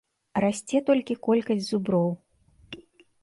Расце толькі колькасць зуброў.